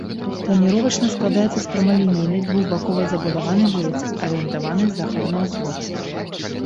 Планіровачна складаецца з прамалінейнай, двухбакова забудаванай вуліцы, арыентаванай з захаду на ўсход.